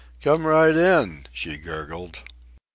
"Come right in," she gurgled.